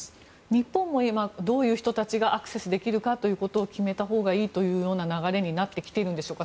日本もどういう人たちがアクセスできるかを決めたほうがいいというような流れになってきているんでしょうか。